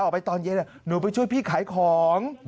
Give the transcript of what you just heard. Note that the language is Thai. ออกไปตอนเย็นเหรอหนูไปช่วยพี่ขายของ